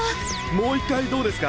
もう一回どうですか？